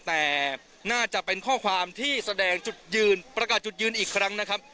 แต่น่าจะเป็นข้อความที่แสดงจุดยืนประกาศจุดยืนอีกครั้งนะครับ